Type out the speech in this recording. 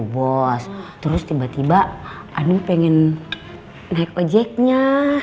bos terus tiba tiba ani pengen naik ojeknya